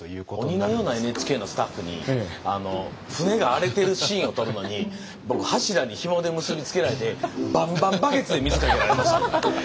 鬼のようなＮＨＫのスタッフに船が荒れてるシーンを撮るのに僕柱にひもで結び付けられてバンバンバケツで水かけられましたんで。